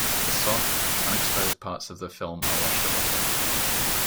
The soft, unexposed parts of the film are washed away.